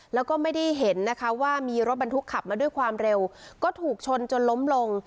แล้วก็ไม่ได้เห็นนะคะว่ามีรถบรรทุกขับมาด้วยความเร็วก็ถูกชนจนล้มลง